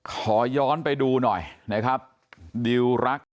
ขอย้อนไปดูหน่อยนะครับ